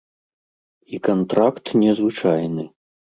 І кантракт не звычайны.